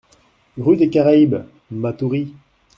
Rue des Caraibes, Matoury